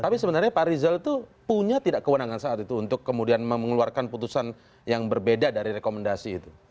tapi sebenarnya pak rizal itu punya tidak kewenangan saat itu untuk kemudian mengeluarkan putusan yang berbeda dari rekomendasi itu